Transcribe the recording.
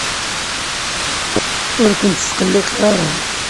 Ur ken-ttqelliqeɣ ara.